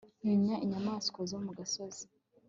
ntinya inyamaswa zo mu gasozi